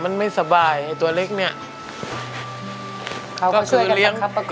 มันไม่สบายไอ้ตัวเล็กเนี้ยเขาก็ช่วยกันประคับประคองกันมา